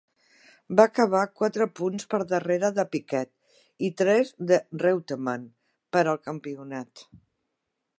Va acabar quatre punts per darrere de Piquet i tres de Reutemann per al campionat.